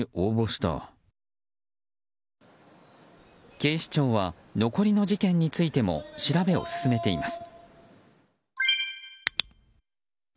警視庁は残りの事件についても調べを進めています。